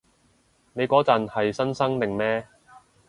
你嗰陣係新生定咩？